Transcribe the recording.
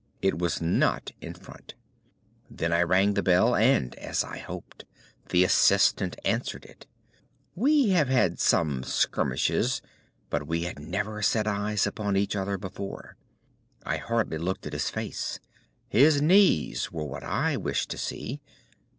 It was not in front. Then I rang the bell, and, as I hoped, the assistant answered it. We have had some skirmishes, but we had never set eyes upon each other before. I hardly looked at his face. His knees were what I wished to see.